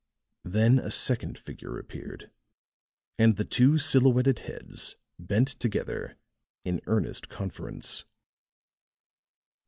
Then a second figure appeared, and the two silhouetted heads bent together in earnest conference.